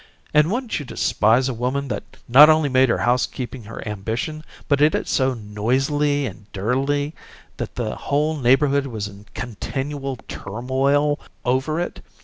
And wouldn't you despise a woman that not only made her housekeeping her ambition, but did it so noisily and dirtily that the whole neighborhood was in a continual turmoil over it?